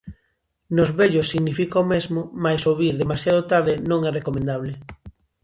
Nos vellos significa o mesmo, mais ao vir demasiado tarde non é recomendable.